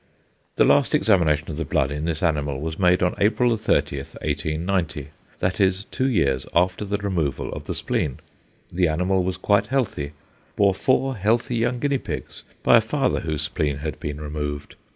The last examination of the blood in this animal was made on April 30, 1890, that is, two years after the removal of the spleen. The animal was quite healthy, bore four healthy young guinea pigs by a father whose spleen had been removed.